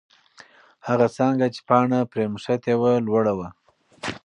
هغه څانګه چې پاڼه پرې نښتې وه، لوړه وه.